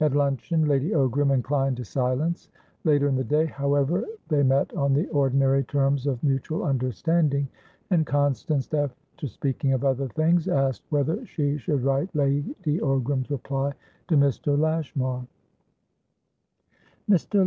At luncheon Lady Ogram inclined to silence. Later in the day, however, they met on the ordinary terms of mutual understanding, and Constance, after speaking of other things, asked whether she should write Lady Ogram's reply to Mr. Lashmar. "Mr.